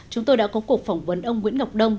chúng tôi đã có cuộc phỏng vấn ông nguyễn ngọc đông